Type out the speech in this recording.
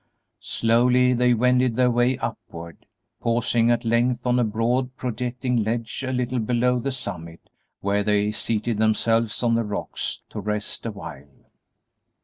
Slowly they wended their way upward, pausing at length on a broad, projecting ledge a little below the summit, where they seated themselves on the rocks to rest a while.